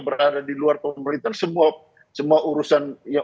berada di luar pemerintahan semua